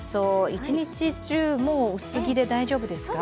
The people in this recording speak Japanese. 一日じゅう、薄着で大丈夫ですか？